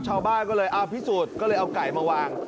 ชาวบ้านก็เลยเอาพิสูจน์ก็เลยเอาไก่มาวาง